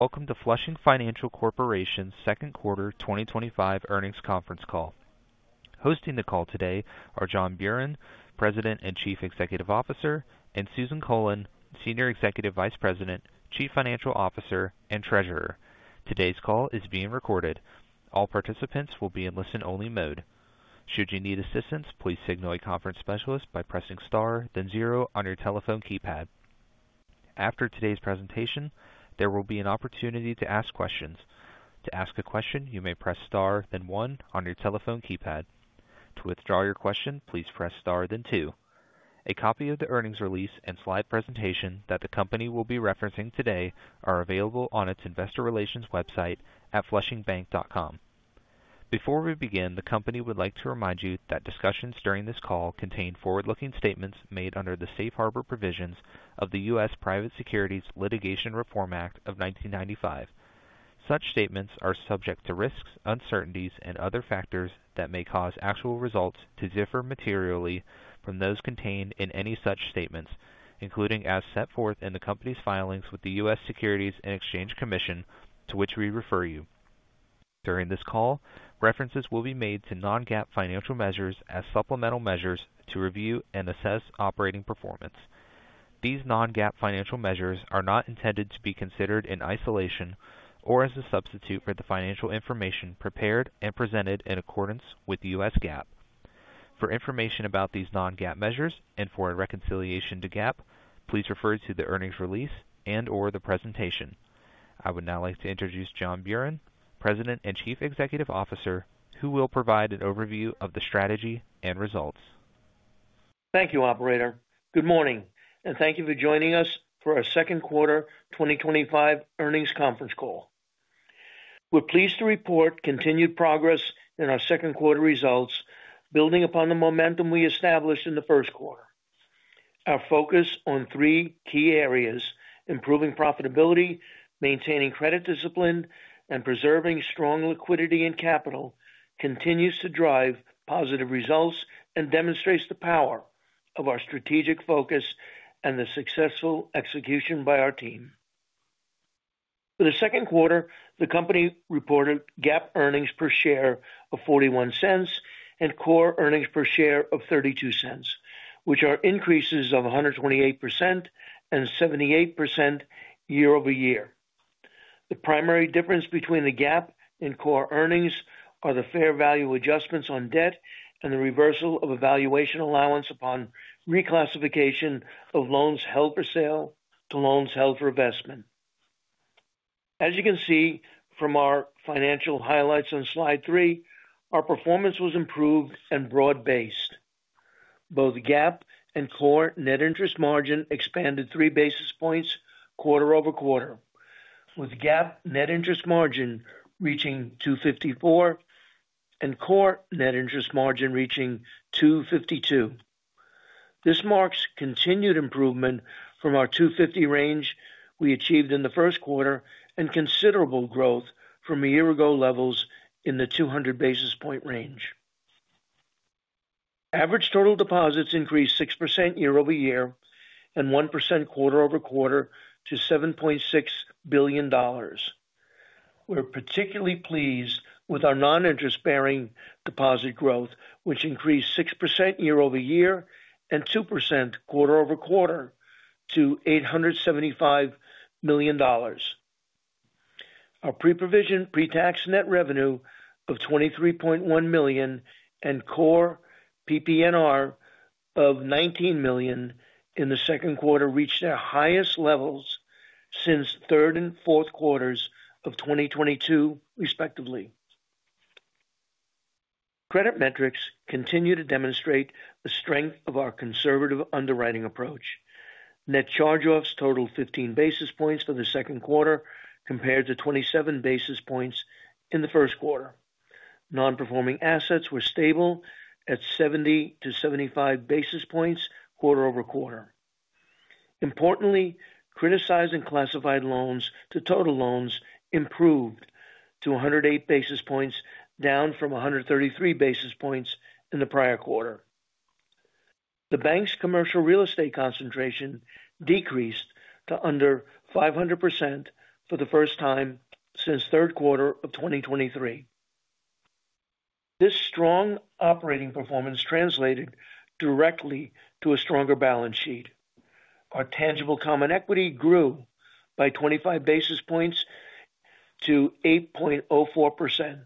Welcome to Flushing Financial Corporation's Q2 2025 earnings conference call. Hosting the call today are John Buran, President and Chief Executive Officer, and Susan Cullen, Senior Executive Vice President, Chief Financial Officer, and Treasurer. Today's call is being recorded. All participants will be in listen-only mode. Should you need assistance, please signal a conference specialist by pressing star, then zero on your telephone keypad. After today's presentation, there will be an opportunity to ask questions. To ask a question, you may press star, then one on your telephone keypad. To withdraw your question, please press star, then two. A copy of the earnings release and slide presentation that the company will be referencing today are available on its investor relations website at flushingbank.com. Before we begin, the company would like to remind you that discussions during this call contain forward-looking statements made under the safe harbor provisions of the U.S. Private Securities Litigation Reform Act of 1995. Such statements are subject to risks, uncertainties, and other factors that may cause actual results to differ materially from those contained in any such statements, including as set forth in the company's filings with the U.S. Securities and Exchange Commission to which we refer you. During this call, references will be made to non-GAAP financial measures as supplemental measures to review and assess operating performance. These non-GAAP financial measures are not intended to be considered in isolation or as a substitute for the financial information prepared and presented in accordance with U.S. GAAP. For information about these non-GAAP measures and for a reconciliation to GAAP, please refer to the earnings release and/or the presentation. I would now like to introduce John Buran, President and Chief Executive Officer, who will provide an overview of the strategy and results. Thank you, Operator. Good morning, and thank you for joining us for our Q2 2025 earnings conference call. We're pleased to report continued progress in our Q2 results, building upon the momentum we established in the Q1. Our focus on three key areas: improving profitability, maintaining credit discipline, and preserving strong liquidity and capital continues to drive positive results and demonstrates the power of our strategic focus and the successful execution by our team. For the Q2, the company reported GAAP earnings per share of $0.41 and core earnings per share of $0.32, which are increases of 128% and 78% year-over-year. The primary difference between the GAAP and core earnings are the fair value adjustments on debt and the reversal of a valuation allowance upon reclassification of loans held for sale to loans held for investment. As you can see from our financial highlights on slide three, our performance was improved and broad-based. Both GAAP and core net interest margin expanded 3 basis points quarter-over-quarter, with GAAP net interest margin reaching 254 basis points and core net interest margin reaching 252 basis points. This marks continued improvement from our 250 basis points range we achieved in the Q1 and considerable growth from a year ago levels in the 200 basis point range. Average total deposits increased 6% year-over-year and 1% quarter-over-quarter to $7.6 billion. We're particularly pleased with our non-interest-bearing deposit growth, which increased 6% year-over-year and 2% quarter-over-quarter to $875 million. Our pre-provision pre-tax net revenue of $23.1 million and core PPNR of $19 million in the Q2 reached their highest levels since third and Q4 of 2022, respectively. Credit metrics continue to demonstrate the strength of our conservative underwriting approach. Net charge-offs totaled 15 basis points for the Q2 compared to 27 basis points in the Q1. Non-performing assets were stable at 70-75 basis points quarter-over-quarter. Importantly, criticized and classified loans to total loans improved to 108 basis points, down from 133 basis points in the prior quarter. The bank's commercial real estate concentration decreased to under 500% for the first time since Q3 of 2023. This strong operating performance translated directly to a stronger balance sheet. Our tangible common equity grew by 25 basis points to 8.04%.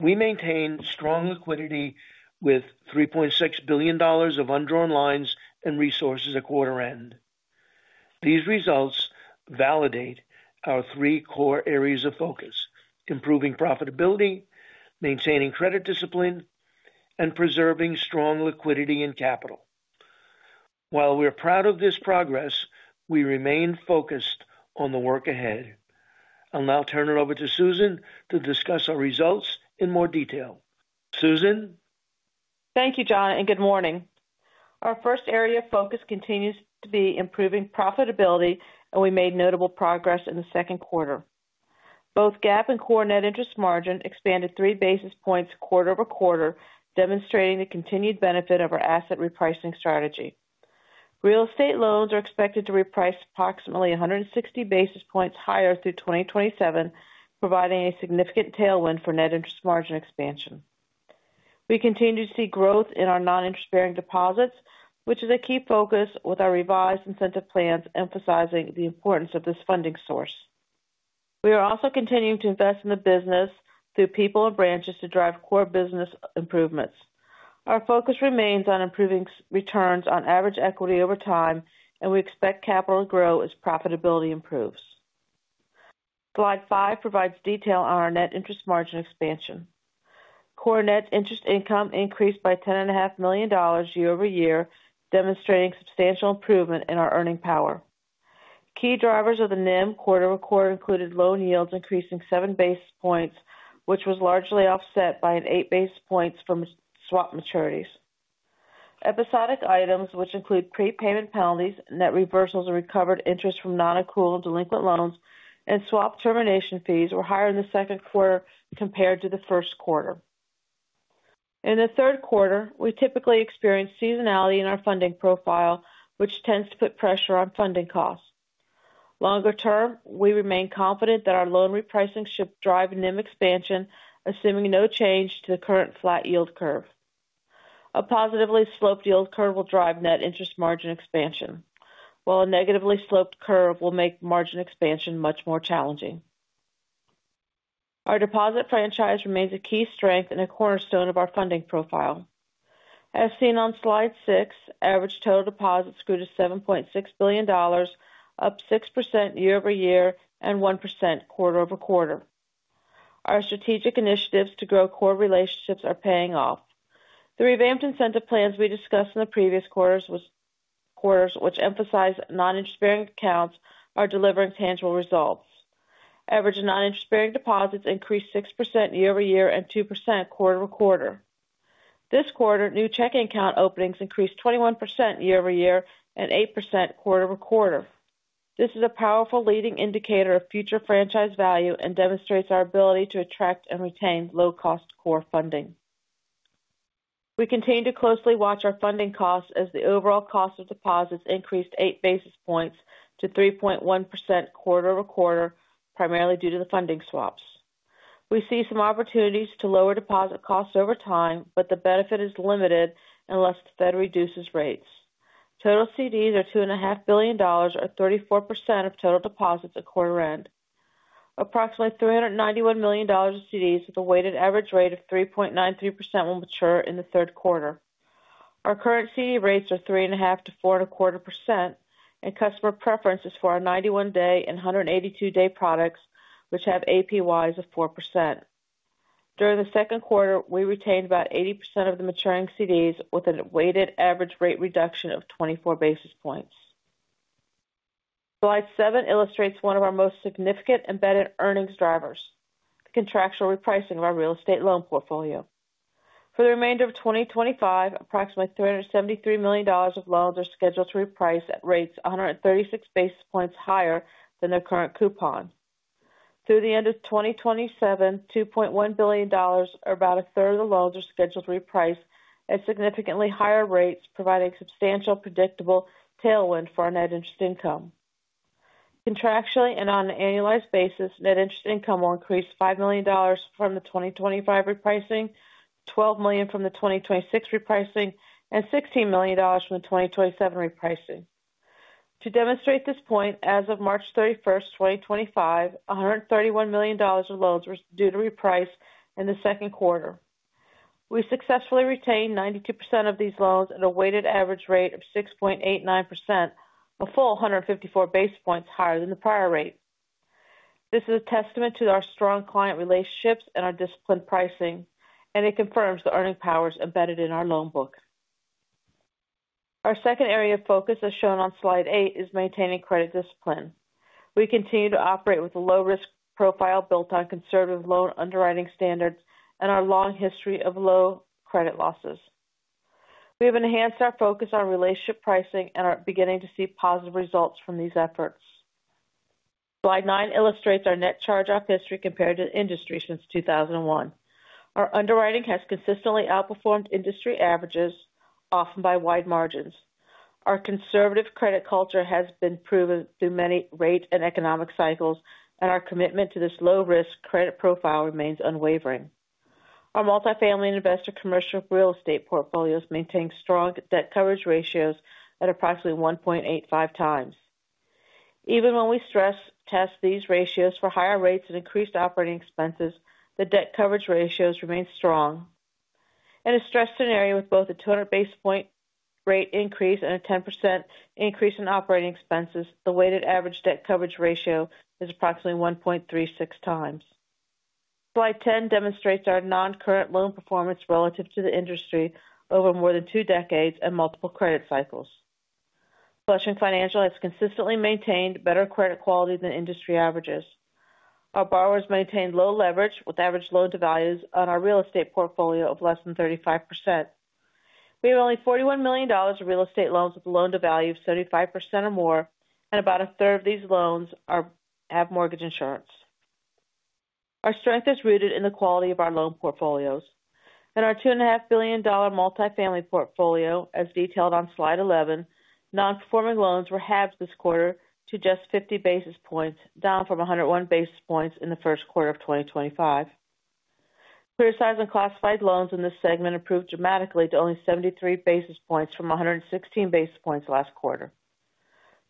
We maintain strong liquidity with $3.6 billion of undrawn lines and resources at quarter end. These results validate our three core areas of focus: improving profitability, maintaining credit discipline, and preserving strong liquidity and capital. While we're proud of this progress, we remain focused on the work ahead. I'll now turn it over to Susan to discuss our results in more detail. Susan. Thank you, John, and good morning. Our first area of focus continues to be improving profitability, and we made notable progress in the Q2. Both GAAP and core net interest margin expanded 3 basis points quarter-over-quarter, demonstrating the continued benefit of our asset repricing strategy. Real estate loans are expected to reprice approximately 160 basis points higher through 2027, providing a significant tailwind for net interest margin expansion. We continue to see growth in our non-interest-bearing deposits, which is a key focus with our revised incentive plans, emphasizing the importance of this funding source. We are also continuing to invest in the business through people and branches to drive core business improvements. Our focus remains on improving returns on average equity over time, and we expect capital to grow as profitability improves. Slide five provides detail on our net interest margin expansion. Core net interest income increased by $10.5 million year-over-year, demonstrating substantial improvement in our earning power. Key drivers of the NIM quarter-over-quarter included loan yields increasing 7 basis points, which was largely offset by 8 basis points from swap maturities. Episodic items, which include prepayment penalties, net reversals, and recovered interest from non-accrual and delinquent loans, and swap termination fees were higher in the Q2 compared to the Q1. In the Q3, we typically experience seasonality in our funding profile, which tends to put pressure on funding costs. Longer term, we remain confident that our loan repricing should drive NIM expansion, assuming no change to the current flat yield curve. A positively sloped yield curve will drive net interest margin expansion, while a negatively sloped curve will make margin expansion much more challenging. Our deposit franchise remains a key strength and a cornerstone of our funding profile. As seen on slide six, average total deposits grew to $7.6 billion, up 6% year-over-year and 1% quarter-over-quarter. Our strategic initiatives to grow core relationships are paying off. The revamped incentive plans we discussed in the previous quarters, which emphasize non-interest-bearing accounts, are delivering tangible results. Average non-interest-bearing deposits increased 6% year-over-year and 2% quarter-over-quarter. This quarter, new checking account openings increased 21% year-over-year and 8% quarter-over-quarter. This is a powerful leading indicator of future franchise value and demonstrates our ability to attract and retain low-cost core funding. We continue to closely watch our funding costs as the overall cost of deposits increased 8 basis points to 3.1% quarter-over-quarter, primarily due to the funding swaps. We see some opportunities to lower deposit costs over time, but the benefit is limited unless the Federal Reserve reduces rates. Total CDs are $2.5 billion or 34% of total deposits at quarter end. Approximately $391 million of CDs with a weighted average rate of 3.93% will mature in the Q3. Our current CD rates are 3.5%-4.25%, and customer preference is for our 91-day and 182-day products, which have APYs of 4%. During the Q2, we retained about 80% of the maturing CDs with a weighted average rate reduction of 24 basis points. Slide seven illustrates one of our most significant embedded earnings drivers: the contractual repricing of our real estate loan portfolio. For the remainder of 2025, approximately $373 million of loans are scheduled to reprice at rates 136 basis points higher than their current coupon. Through the end of 2027, $2.1 billion or about 1/3 of the loans are scheduled to reprice at significantly higher rates, providing substantial predictable tailwind for our net interest income. Contractually and on an annualized basis, net interest income will increase $5 million from the 2025 repricing, $12 million from the 2026 repricing, and $16 million from the 2027 repricing. To demonstrate this point, as of March 31, 2025, $131 million of loans were due to reprice in the Q2. We successfully retained 92% of these loans at a weighted average rate of 6.89%, a full 154 basis points higher than the prior rate. This is a testament to our strong client relationships and our disciplined pricing, and it confirms the earning powers embedded in our loan book. Our second area of focus, as shown on slide eight, is maintaining credit discipline. We continue to operate with a low-risk profile built on conservative loan underwriting standards and our long history of low credit losses. We have enhanced our focus on relationship pricing and are beginning to see positive results from these efforts. Slide nine illustrates our net charge-off history compared to the industry since 2001. Our underwriting has consistently outperformed industry averages, often by wide margins. Our conservative credit culture has been proven through many rate and economic cycles, and our commitment to this low-risk credit profile remains unwavering. Our multifamily and investor commercial real estate portfolios maintain strong debt coverage ratios at approximately 1.85x. Even when we stress test these ratios for higher rates and increased operating expenses, the debt coverage ratios remain strong. In a stressed scenario with both a 200 basis point rate increase and a 10% increase in operating expenses, the weighted average debt coverage ratio is approximately 1.36x. Slide 10 demonstrates our non-current loan performance relative to the industry over more than two decades and multiple credit cycles. Flushing Financial Corporation has consistently maintained better credit quality than industry averages. Our borrowers maintain low leverage with average loan-to-values on our real estate portfolio of less than 35%. We have only $41 million of real estate loans with a loan-to-value of 75% or more, and about a third of these loans have mortgage insurance. Our strength is rooted in the quality of our loan portfolios. In our $2.5 billion multifamily portfolio, as detailed on slide 11, non-performing loans were halved this quarter to just 50 basis points, down from 101 basis points in the Q1 of 2025. Criticized and classified loans in this segment improved dramatically to only 73 basis points from 116 basis points last quarter.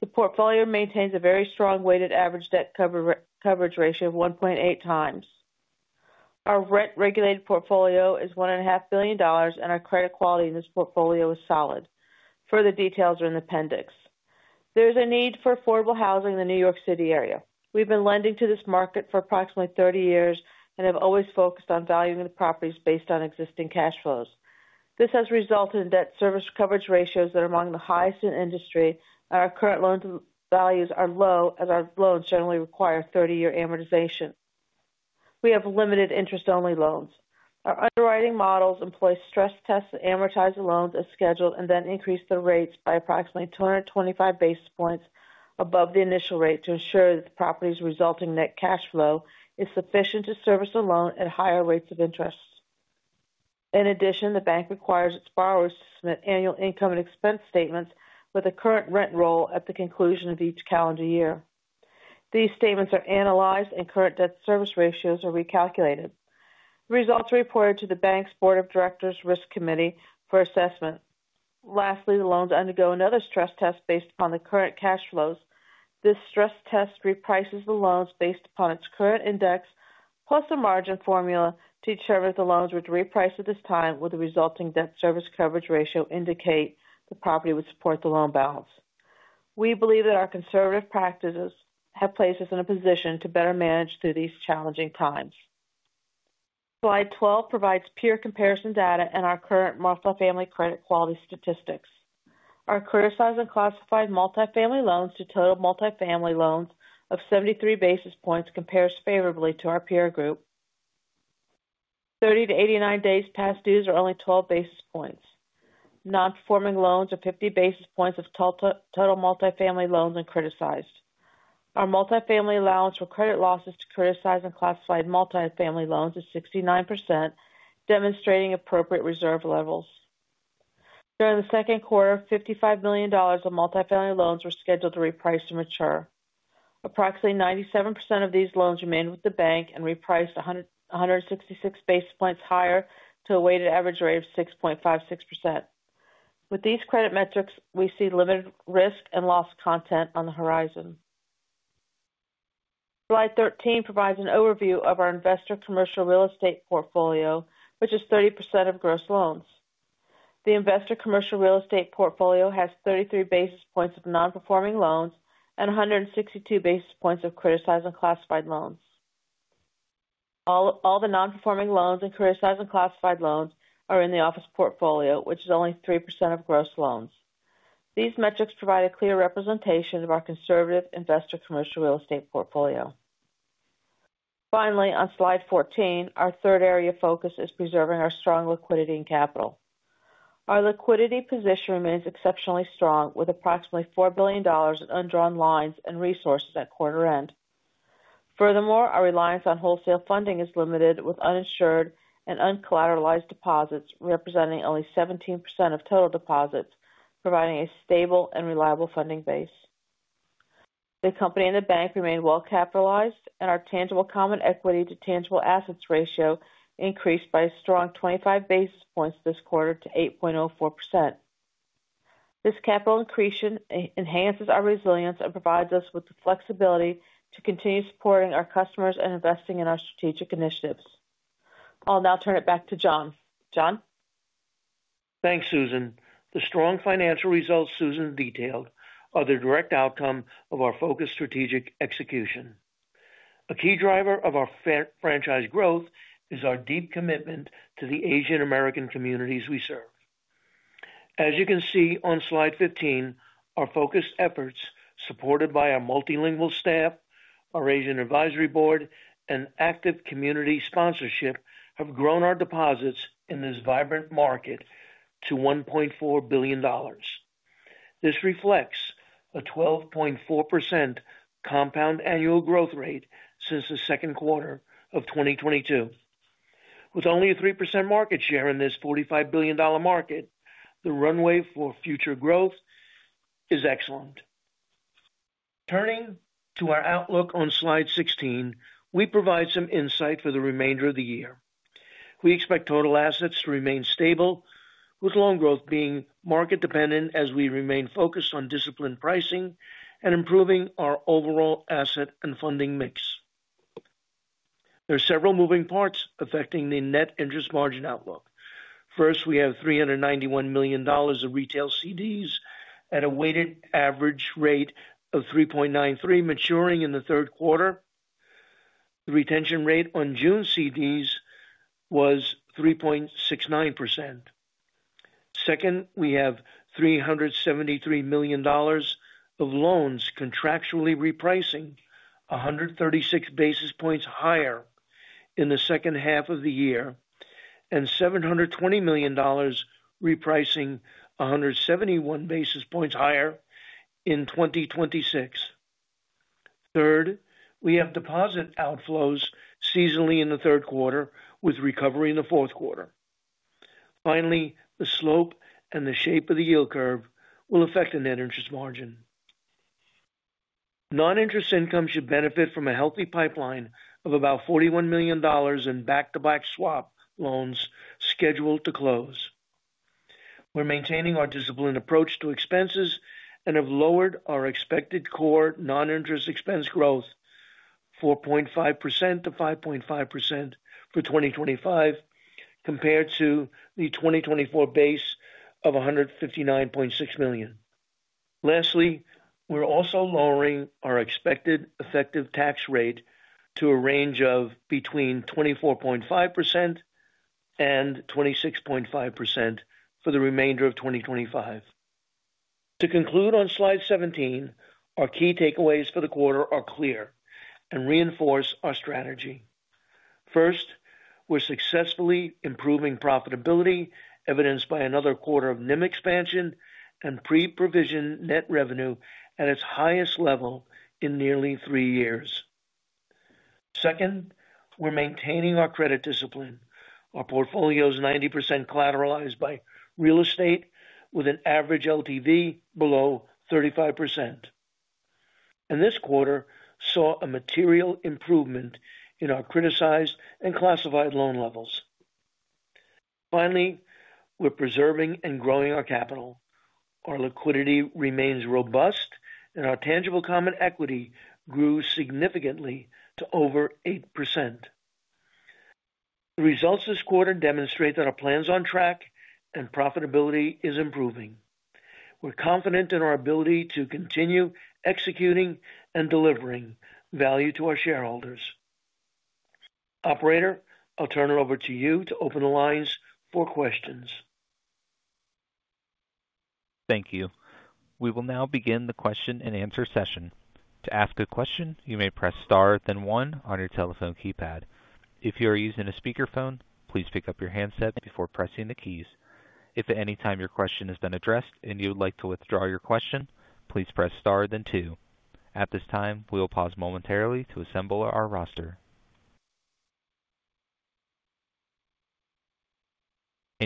The portfolio maintains a very strong weighted average debt coverage ratio of 1.8x. Our rent-regulated portfolio is $1.5 billion, and our credit quality in this portfolio is solid. Further details are in the appendix. There is a need for affordable housing in the New York City area. We've been lending to this market for approximately 30 years and have always focused on valuing the properties based on existing cash flows. This has resulted in debt service coverage ratios that are among the highest in the industry, and our current loan values are low, as our loans generally require 30-year amortization. We have limited interest-only loans. Our underwriting models employ stress tests that amortize the loans as scheduled and then increase the rates by approximately 225 basis points above the initial rate to ensure that the property's resulting net cash flow is sufficient to service the loan at higher rates of interest. In addition, the bank requires its borrowers to submit annual income and expense statements with a current rent roll at the conclusion of each calendar year. These statements are analyzed, and current debt service ratios are recalculated. The results are reported to the bank's Board of Directors Risk Committee for assessment. Lastly, the loans undergo another stress test based upon the current cash flows. This stress test reprices the loans based upon its current index, plus a margin formula to determine if the loans would reprice at this time with the resulting debt service coverage ratio indicating the property would support the loan balance. We believe that our conservative practices have placed us in a position to better manage through these challenging times. Slide 12 provides peer comparison data and our current multifamily credit quality statistics. Our criticized and classified multifamily loans to total multifamily loans of 73 basis points compare favorably to our peer group. 30-89 days past dues are only 12 basis points. Non-performing loans are 50 basis points of total multifamily loans and criticized. Our multifamily allowance for credit losses to criticized and classified multifamily loans is 69%, demonstrating appropriate reserve levels. During the Q2, $55 million of multifamily loans were scheduled to reprice and mature. Approximately 97% of these loans remain with the bank and reprice 166 basis points higher to a weighted average rate of 6.56%. With these credit metrics, we see limited risk and loss content on the horizon. Slide 13 provides an overview of our investor commercial real estate portfolio, which is 30% of gross loans. The investor commercial real estate portfolio has 33 basis points of non-performing loans and 162 basis points of criticized and classified loans. All the non-performing loans and criticized and classified loans are in the office portfolio, which is only 3% of gross loans. These metrics provide a clear representation of our conservative investor commercial real estate portfolio. Finally, on slide 14, our third area of focus is preserving our strong liquidity and capital. Our liquidity position remains exceptionally strong, with approximately $4 billion in undrawn lines and resources at quarter end. Furthermore, our reliance on wholesale funding is limited, with uninsured and uncollateralized deposits representing only 17% of total deposits, providing a stable and reliable funding base. The company and the bank remain well-capitalized, and our tangible common equity to tangible assets ratio increased by a strong 25 basis points this quarter to 8.04%. This capital increase enhances our resilience and provides us with the flexibility to continue supporting our customers and investing in our strategic initiatives. I'll now turn it back to John. John? Thanks, Susan. The strong financial results Susan detailed are the direct outcome of our focused strategic execution. A key driver of our franchise growth is our deep commitment to the Asian American communities we serve. As you can see on slide 15, our focused efforts, supported by our multilingual staff, our Asian Advisory Board, and active community sponsorship, have grown our deposits in this vibrant market to $1.4 billion. This reflects a 12.4% compound annual growth rate since the Q2 of 2022. With only a 3% market share in this $45 billion market, the runway for future growth is excellent. Turning to our outlook on slide 16, we provide some insight for the remainder of the year. We expect total assets to remain stable, with loan growth being market dependent as we remain focused on disciplined pricing and improving our overall asset and funding mix. There are several moving parts affecting the net interest margin outlook. First, we have $391 million of retail CDs at a weighted average rate of 3.93%, maturing in the Q3. The retention rate on June CDs was 3.69%. Second, we have $373 million of loans contractually repricing 136 basis points higher in the second half of the year, and $720 million repricing 171 basis points higher in 2026. Third, we have deposit outflows seasonally in the Q3, with recovery in the Q4. Finally, the slope and the shape of the yield curve will affect the net interest margin. Non-interest income should benefit from a healthy pipeline of about $41 million in back-to-back swap loans scheduled to close. We're maintaining our disciplined approach to expenses and have lowered our expected core non-interest expense growth 4.5%-5.5% for 2025, compared to the 2024 base of $159.6 million. Lastly, we're also lowering our expected effective tax rate to a range of between 24.5% and 26.5% for the remainder of 2025. To conclude on slide 17, our key takeaways for the quarter are clear and reinforce our strategy. First, we're successfully improving profitability, evidenced by another quarter of NIM expansion and pre-provision net revenue at its highest level in nearly three years. Second, we're maintaining our credit discipline. Our portfolio is 90% collateralized by real estate, with an average LTV below 35%. This quarter saw a material improvement in our criticized and classified loan levels. Finally, we're preserving and growing our capital. Our liquidity remains robust, and our tangible common equity grew significantly to over 8%. The results this quarter demonstrate that our plan's on track and profitability is improving. We're confident in our ability to continue executing and delivering value to our shareholders. Operator, I'll turn it over to you to open the lines for questions. Thank you. We will now begin the Q&A session. To ask a question, you may press star, then one on your telephone keypad. If you are using a speakerphone, please pick up your handset before pressing the keys. If at any time your question has been addressed and you would like to withdraw your question, please press star, then two. At this time, we will pause momentarily to assemble our roster.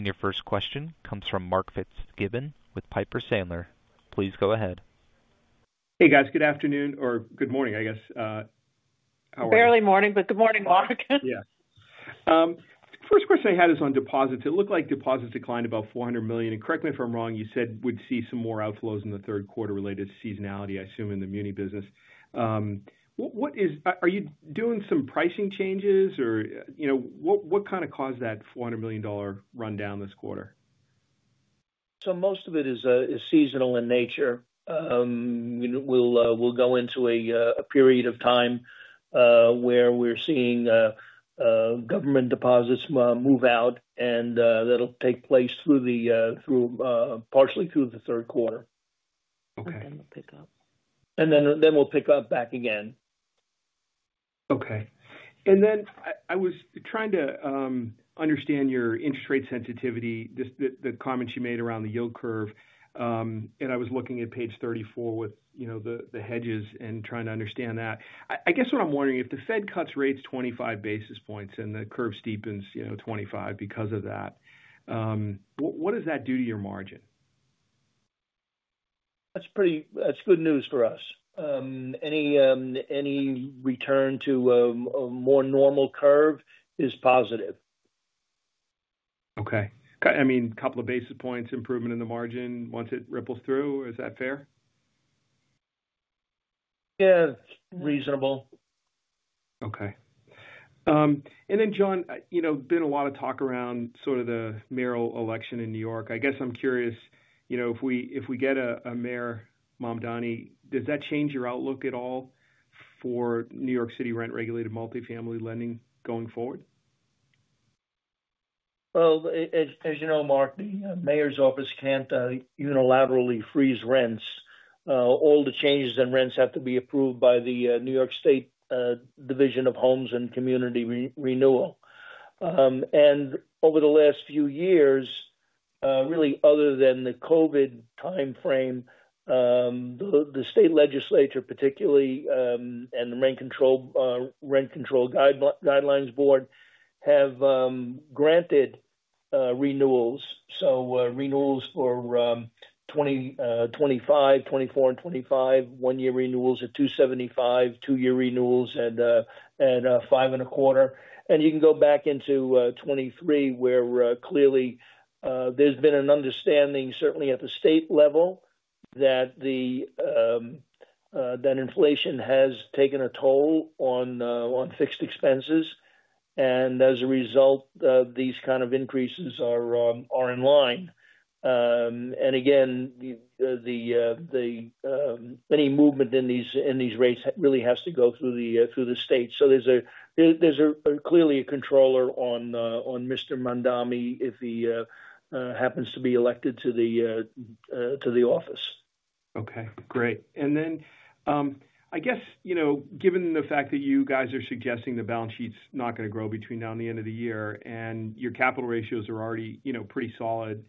Your first question comes from Mark Fitzgibbon with Piper Sandler. Please go ahead. Hey guys, good afternoon or good morning, I guess. How are you? Fairly morning, good morning, Mark. Yeah. The first question I had is on deposits. It looked like deposits declined about $400 million, and correct me if I'm wrong, you said we'd see some more outflows in the Q3 related to seasonality, I assume in the muni business. What is, are you doing some pricing changes or, you know, what kind of caused that $400 million rundown this quarter? Most of it is seasonal in nature. We'll go into a period of time where we're seeing government deposits move out, and that'll take place partially through the Q3. Okay. We'll pick up. We'll pick up back again. Okay. I was trying to understand your interest rate sensitivity, just the comments you made around the yield curve. I was looking at page 34 with the hedges and trying to understand that. I guess what I'm wondering, if the Federal Reserve cuts rates 25 basis points and the curve steepens 25 because of that, what does that do to your margin? That's good news for us. Any return to a more normal curve is positive. Okay, I mean, a couple of basis points improvement in the margin once it ripples through, is that fair? Yeah, reasonable. Okay. John, you know, there's been a lot of talk around the mayoral election in New York. I guess I'm curious, if we get a Mayor Mamdani, does that change your outlook at all for New York City rent-regulated multifamily lending going forward? As you know, Mark, the mayor's office can't unilaterally freeze rents. All the changes in rents have to be approved by the New York State Division of Homes and Community Renewal. Over the last few years, really, other than the COVID timeframe, the state legislature, particularly, and the Rent Control Guidelines Board have granted renewals. Renewals for 2020, 2024, and 2025, one-year renewals at 2.75%, two-year renewals at 5.25%. You can go back into 2023, where clearly there's been an understanding, certainly at the state level, that inflation has taken a toll on fixed expenses. As a result, these kind of increases are in line. Any movement in these rates really has to go through the state. There's clearly a controller on Mr. Mamdani if he happens to be elected to the office. Okay, great. I guess, given the fact that you guys are suggesting the balance sheet's not going to grow between now and the end of the year, and your capital ratios are already pretty solid,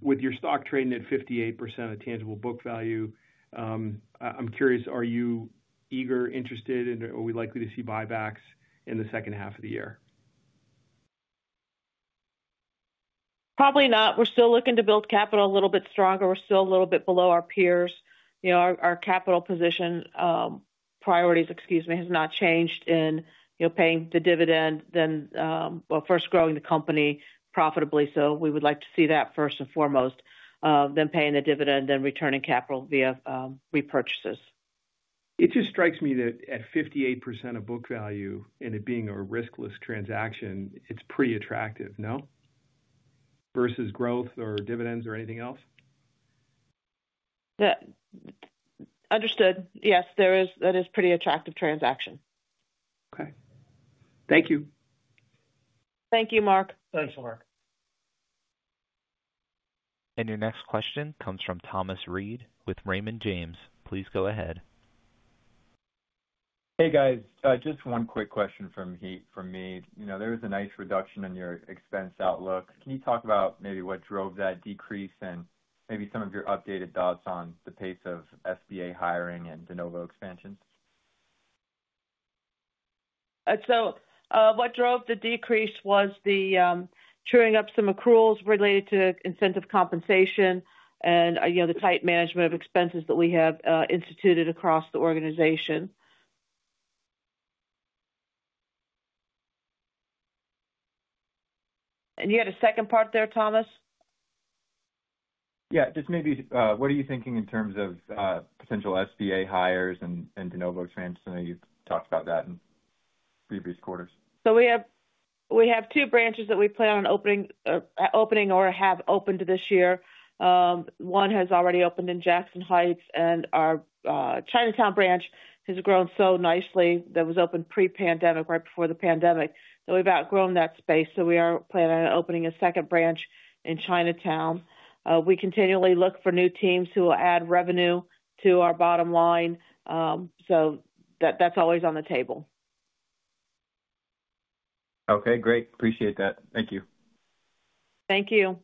with your stock trading at 58% of tangible book value, I'm curious, are you eager, interested, and are we likely to see buybacks in the second half of the year? Probably not. We're still looking to build capital a little bit stronger. We're still a little bit below our peers. Our capital position, priorities, excuse me, has not changed in paying the dividend, first growing the company profitably. We would like to see that first and foremost, then paying the dividend, then returning capital via repurchases. It just strikes me that at 58% of book value and it being a riskless transaction, it's pretty attractive, no? Versus growth or dividends or anything else? Understood. Yes, that is a pretty attractive transaction. Okay, thank you. Thank you, Mark. Thanks, Mark. Your next question comes from Thomas Reid with Raymond James. Please go ahead. Hey guys, just one quick question from me. There was a nice reduction in your expense outlook. Can you talk about maybe what drove that decrease and maybe some of your updated thoughts on the pace of SBA hiring and De Novo expansions? What drove the decrease was clearing up some accruals related to incentive compensation and the tight management of expenses that we have instituted across the organization. You had a second part there, Thomas? What are you thinking in terms of potential SBA hires and De Novo transfers? I know you talked about that in previous quarters. We have two branches that we plan on opening or have opened this year. One has already opened in Jackson Heights, and our Chinatown branch has grown so nicely. That was opened pre-pandemic, right before the pandemic. We've outgrown that space, so we are planning on opening a second branch in Chinatown. We continually look for new teams who will add revenue to our bottom line, so that's always on the table. Okay, great. Appreciate that. Thank you. Thank you.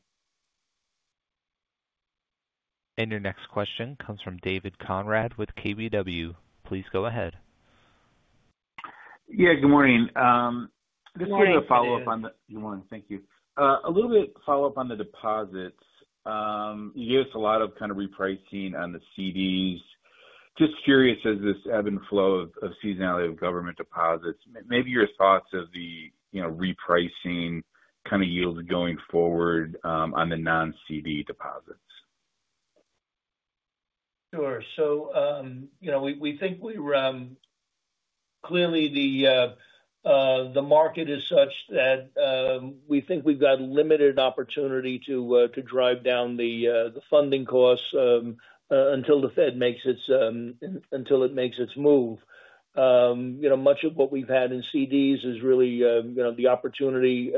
Your next question comes from David Joseph Konrad with KBW. Please go ahead. Good morning. Just kind of a follow-up on the deposits. You gave us a lot of repricing on the CDs. Just curious, as this ebb and flow of seasonality of government deposits, maybe your thoughts of the repricing yields going forward on the non-CD deposits. Sure. We think we're clearly, the market is such that we think we've got limited opportunity to drive down the funding costs until the Federal Reserve makes its move. Much of what we've had in certificates of deposit (CDs) is really the opportunity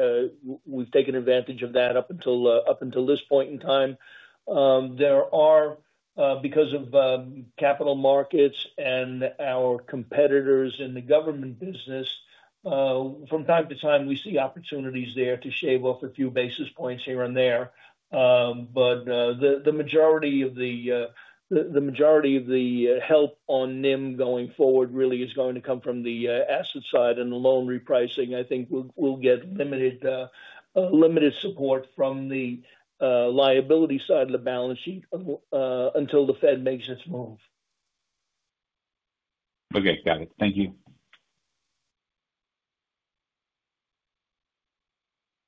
we've taken advantage of up until this point in time. There are, because of capital markets and our competitors in the government business, from time-to-time, we see opportunities there to shave off a few basis points here and there. The majority of the help on NIM going forward really is going to come from the asset side and the loan repricing. I think we'll get limited support from the liability side of the balance sheet until the Federal Reserve makes its move. Okay, got it. Thank you.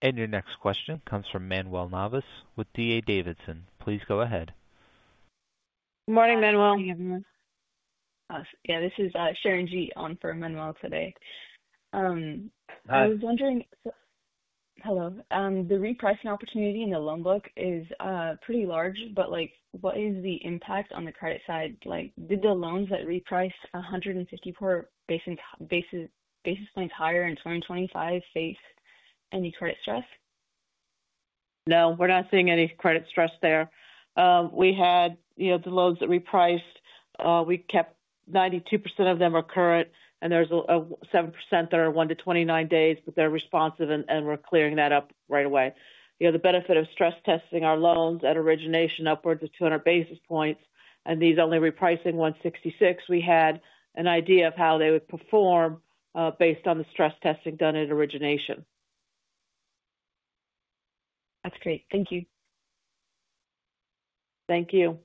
Your next question comes from Manuel Navas with D.A. Davidson. Please go ahead. Morning, Manuel. Awesome. This is Sharanjit Cheema on for Manuel today. I was wondering, the repricing opportunity in the loan book is pretty large, but what is the impact on the credit side? Did the loans that repriced 154 basis points higher in 2025 face any credit stress? No, we're not seeing any credit stress there. We had the loans that repriced, we kept 92% of them are current, and there's a 7% that are one to 29 days, but they're responsive and we're clearing that up right away. The benefit of stress testing our loans at origination upwards of 200 basis points, and these only repricing 166 basis points, we had an idea of how they would perform, based on the stress testing done at origination. That's great. Thank you. Thank you.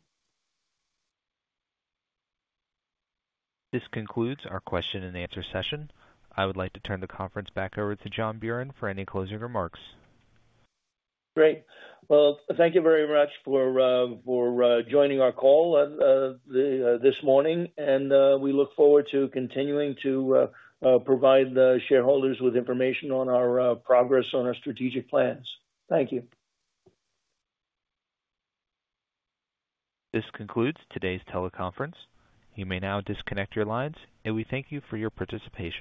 This concludes our Q&A session. I would like to turn the conference back over to John Buran for any closing remarks. Great. Thank you very much for joining our call this morning, and we look forward to continuing to provide the shareholders with information on our progress on our strategic plans. Thank you. This concludes today's teleconference. You may now disconnect your lines, and we thank you for your participation.